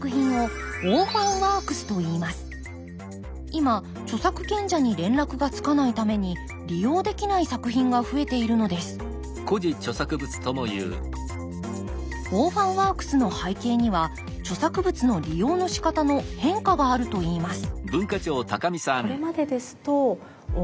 今著作権者に連絡がつかないために利用できない作品が増えているのですオーファンワークスの背景には著作物の利用のしかたの変化があるといいます